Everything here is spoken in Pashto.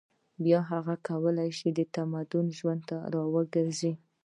بیا هغه کولای شي مدني ژوند ته راوګرځي